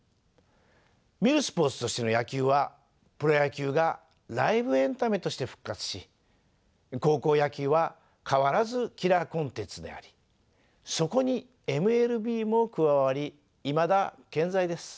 みるスポーツとしての野球はプロ野球がライブエンタメとして復活し高校野球は変わらずキラーコンテンツでありそこにＭＬＢも加わりいまだ健在です。